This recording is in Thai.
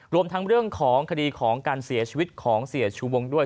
รวมทั้งเรื่องของคดีของการเสียชีวิตของเสียชูวงด้วย